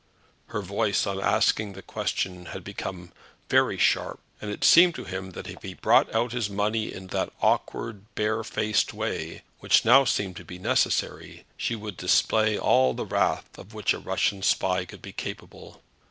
Her voice on asking the question had become very sharp; and it seemed to him that if he brought out his money in that awkward, barefaced way which now seemed to be necessary, she would display all the wrath of which a Russian spy could be capable.